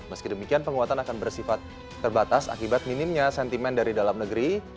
meski demikian penguatan akan bersifat terbatas akibat minimnya sentimen dari dalam negeri